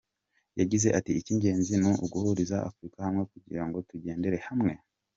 Yagize ati “Icy’ingenzi ni uguhuriza Afurika hamwe kugira ngo tugendere hamwe.